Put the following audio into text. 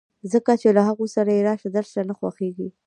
ځکه چې له هغوی سره یې راشه درشه نه خوښېږي